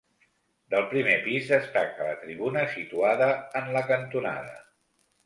Del primer pis destaca la tribuna situada en la cantonada.